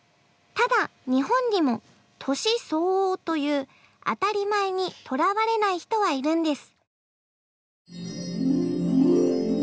ただ日本にも年相応という当たり前にとらわれない人はいるんです。